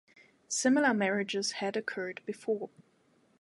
Similar marriages had occurred before.